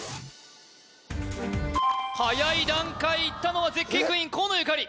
はやい段階いったのは絶景クイーン河野ゆかり